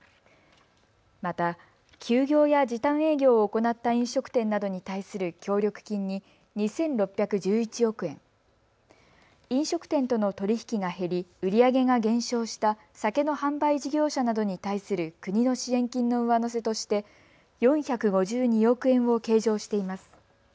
また休業や時短営業を行った飲食店などに対する協力金に２６１１億円、飲食店との取り引きが減り、売り上げが減少した酒の販売事業者などに対する国の支援金の上乗せとして４５２億円を計上しています。